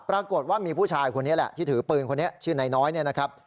ปรากฏว่ามีผู้ชายคนนี้แหละที่ถือปืนคนนี้ชื่อนายน้อยเนี่ยนะครับ